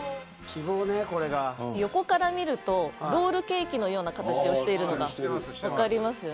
横から見るとロールケーキのような形をしているのが分かります。